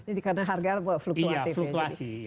jadi karena harga fluktuatif